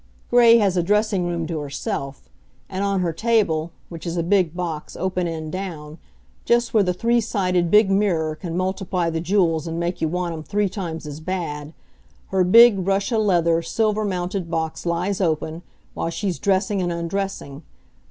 Gray has a dressing room to herself. And on her table which is a big box, open end down just where the three sided big mirror can multiply the jewels and make you want 'em three times as bad, her big russia leather, silver mounted box lies open, while she's dressing and undressing.